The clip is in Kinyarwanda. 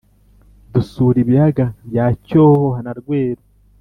dusura ibiyaga bya cyohoha na rweru